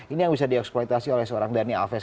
ini yang bisa dieksploitasi oleh seorang daniel alves